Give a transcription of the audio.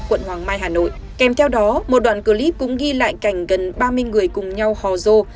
quận hoàng mai hà nội kèm theo đó một đoạn clip cũng ghi lại cảnh gần ba mươi người cùng nhau hò dô